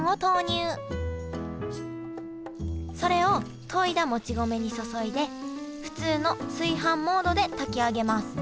それをといだもち米に注いで普通の炊飯モードで炊き上げます